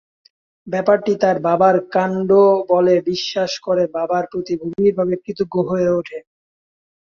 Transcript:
ব্যাপারটি তার বাবার কাণ্ড ব'লে বিশ্বাস করে বাবার প্রতি গভীরভাবে কৃতজ্ঞ হয়ে ওঠে।